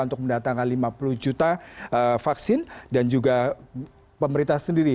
untuk mendatangkan lima puluh juta vaksin dan juga pemerintah sendiri